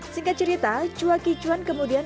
singkat cerita cua kichuan kemudian